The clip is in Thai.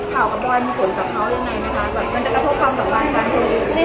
ข่าวกับววายมีผลกับเขากับเขาจะโค่กับพกฤหัสต่างจากนี่